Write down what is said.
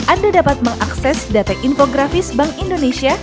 anda dapat mengakses data infografis bank indonesia